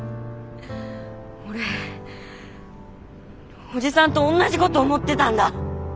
俺おじさんとおんなじこと思ってたんだ。